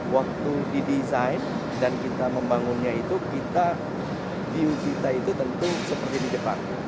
waktu didesain dan kita membangunnya itu kita view kita itu tentu seperti di jepang